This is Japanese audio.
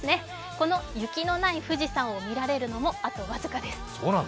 この雪のない富士山を見られるのもあと僅かです。